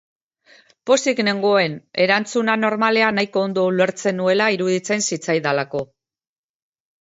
Pozik nengoen erantzuna, normalean, nahiko ondo ulertzen nuela iruditzen zitzaidalako.